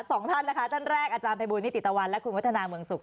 สองท่านนะคะท่านแรกอาจารย์ภัยบูลนิติตะวันและคุณวัฒนาเมืองสุข